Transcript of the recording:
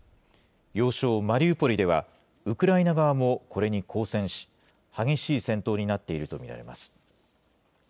要衝マリウポリでは、ウクライナ側もこれに抗戦し、激しい戦闘になっていると見られます。